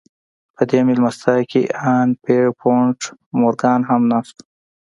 په دې مېلمستیا کې ان پیرپونټ مورګان هم ناست و